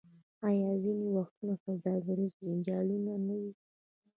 آیا ځینې وختونه سوداګریز جنجالونه نه وي؟